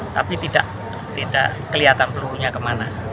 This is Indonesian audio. tapi tidak kelihatan pelurunya kemana